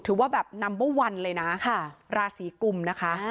ว่าแบบนัมเบอร์วันเลยนะราศีกุมนะคะ